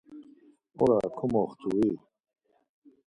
Ora komoxtu-i?